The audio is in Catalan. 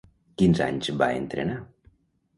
Quins anys va entrenar?